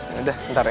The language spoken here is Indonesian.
ya udah bentar ya